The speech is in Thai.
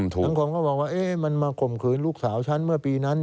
สังคมก็บอกว่ามันมาข่มขืนลูกสาวฉันเมื่อปีนั้น